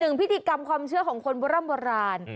หนึ่งพิธีกรรมความเชื่อของคนบรรยามโบราณ